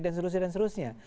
dan seterusnya dan seterusnya